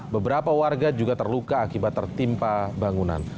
beberapa warga juga terluka akibat tertimpa bangunan